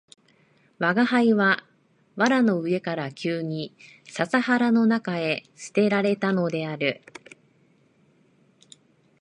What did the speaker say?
吾輩は藁の上から急に笹原の中へ棄てられたのである